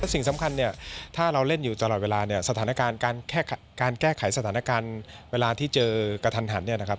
สิ่งสำคัญเนี่ยถ้าเราเล่นอยู่ตลอดเวลาสถานการณ์การแก้ไขสถานการณ์เวลาที่เจอกับทันหัน